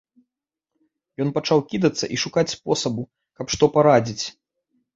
Ён пачаў кідацца і шукаць спосабу, каб што парадзіць.